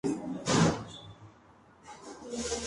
Los McGee ganaron su casa en una rifa de "Mr.